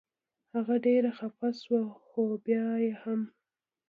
هغه ډېره خفه شوه خو بیا یې هم.